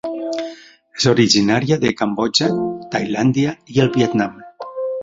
És originària de Cambodja, Tailàndia i el Vietnam.